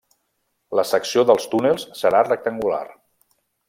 La secció dels túnels serà rectangular.